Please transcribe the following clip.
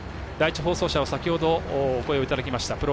第１放送車は先ほどお声をいただきました